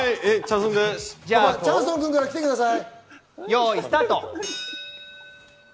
チャンソン君から来てください。